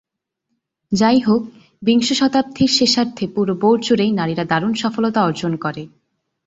যাই হোক, বিংশ শতাব্দীর শেষার্ধে পুরো বোর্ড জুড়েই নারীরা দারুন সফলতা অর্জন করে।